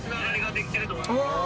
お！